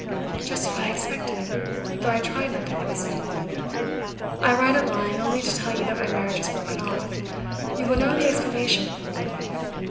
'Just what I expected though I tried not to think so. "I write aline only to tell you that my marriage is broken off. You will know the explanation before long.